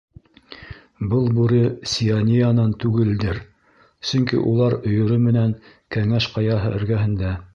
Был бүре Сиониянан түгелдер, сөнки улар өйөрө менән Кәңәш Ҡаяһы эргәһендә.